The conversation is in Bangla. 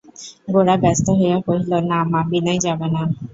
গোরা ব্যস্ত হইয়া কহিল, না মা, বিনয় যাবে না।